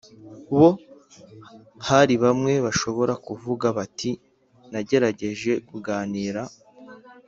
Bo hari bamwe bashobora kuvuga bati nagerageje kuganira